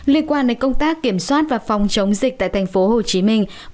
liên quan đến công tác kiểm soát và phòng chống dịch tại thành phố hồ chí minh